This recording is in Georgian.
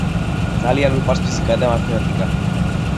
ძალიან მიყვარს ფიზიკა და მათემატიკა